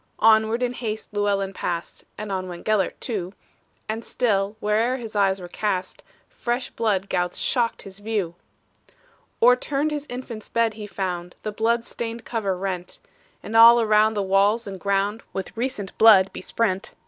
Onward in haste Llewellyn passed (And on went Gelert too), And still, where'er his eyes were cast, Fresh blood gouts shocked his view! O'erturned his infant's bed he found, The blood stained cover rent; And all around the walls and ground With recent blood besprent.